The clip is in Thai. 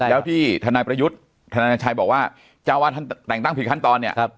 แล้วที่ทนายประยุทธ์ธนาชัยบอกว่าเจ้าวาดท่านแต่งตั้งผิดขั้นตอนเนี่ย